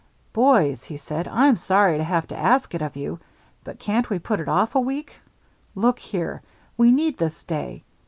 "Boys," he said, "I'm sorry to have to ask it of you. But can't we put it off a week? Look here. We need this day.